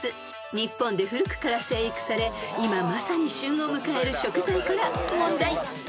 ［日本で古くから生育され今まさに旬を迎える食材から問題］